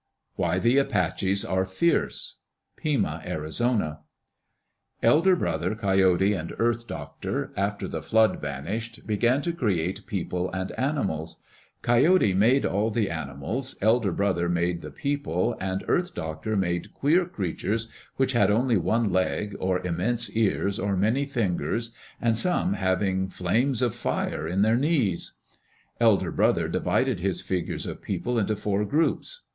Why the Apaches are Fierce Pima (Arizona) Elder Brother, Coyote, and Earth Doctor, after the flood vanished, began to create people and animals. Coyote made all the animals, Elder Brother made the people, and Earth Doctor made queer creatures which had only one leg, or immense ears, or many fingers, and some having flames of fire in their knees. Elder Brother divided his figures of people into four groups.